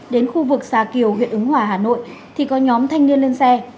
đến khu vực xà kiều huyện ứng hòa hà nội thì có nhóm thanh niên lên xe